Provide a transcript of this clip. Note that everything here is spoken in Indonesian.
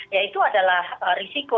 ya itu adalah risiko